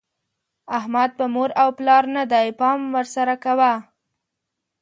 احمد په مور او پلار نه دی؛ پام ور سره کوه.